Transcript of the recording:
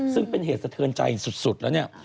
ซึ่งเป็นเหตุสะเทือนใจสุดแล้วเนี่ย